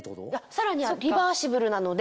さらにリバーシブルなので。